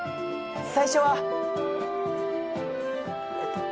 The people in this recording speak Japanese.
最初はえっと。